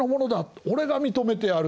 俺が認めてやる」。